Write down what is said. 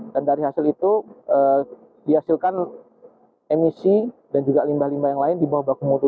dan dari hasil itu dihasilkan emisi dan juga limbah limbah yang lain di bawah baku mutu